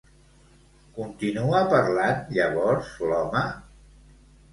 Continua parlant llavors l'home?